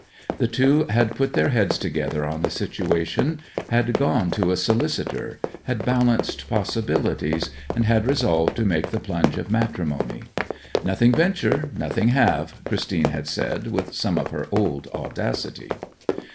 The two had put their heads together on the situation, had gone to a solicitor, had balanced possibilities, and had resolved to make the plunge of matrimony. 'Nothing venture, nothing have,' Christine had said, with some of her old audacity.